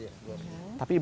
iya dua minggu